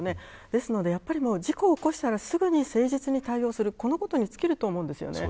ですので、やっぱり事故を起こしたらすぐに誠実に対応するこのことに尽きると思います。